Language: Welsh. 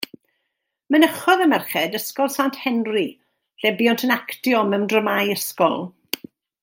Mynychodd y merched Ysgol Sant Henry, lle buont yn actio mewn dramâu ysgol.